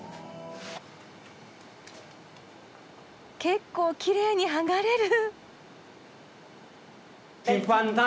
結構きれいにがれる！